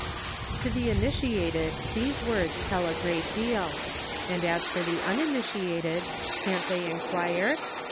To the initiated these words tell a great deal ; and as for the uninitiated can't they inquire